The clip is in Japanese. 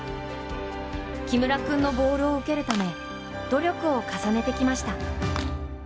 木村君のボールを受けるため努力を重ねてきました。